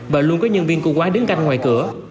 và luôn có nhân viên cơ quán đứng canh ngoài cửa